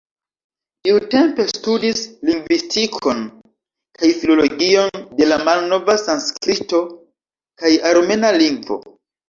Tiutempe studis lingvistikon kaj filologion de la malnova sanskrito kaj armena lingvo.